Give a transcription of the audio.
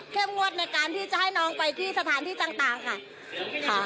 เข้มงวดในการที่จะให้น้องไปที่สถานที่ต่างต่างค่ะค่ะขอบคุณค่ะ